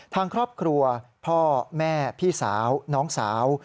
ทางครอบครัวพ่อแม่พี่สาวน้องสาว